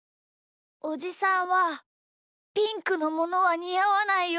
おじさんはピンクのものはにあわないよ。